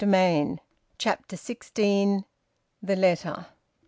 VOLUME ONE, CHAPTER SIXTEEN. THE LETTER.